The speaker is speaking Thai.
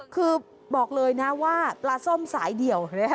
คือบอกเลยนะว่าปลาส้มสายเดี่ยว